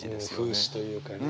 風刺というかね。